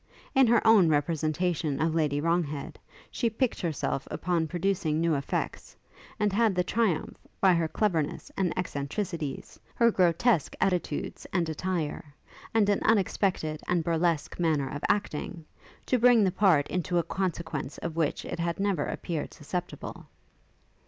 In her own representation of Lady Wronghead, she piqued herself upon producing new effects, and had the triumph, by her cleverness and eccentricities, her grotesque attitudes and attire, and an unexpected and burlesque manner of acting, to bring the part into a consequence of which it had never appeared susceptible.